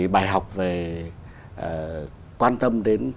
bài học về quan tâm đến